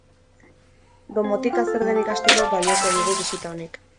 Domotika zer den ikasteko balioko digu bisita honek.